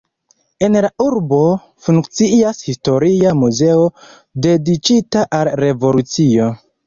En la urbo funkcias historia muzeo dediĉita al revolucio.